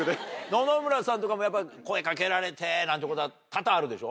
野々村さんとかも声かけられてなんてことは多々あるでしょ？